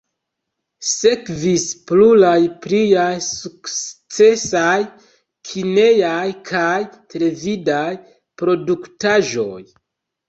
Sekvis pluraj pliaj sukcesaj kinejaj kaj televidaj produktaĵoj.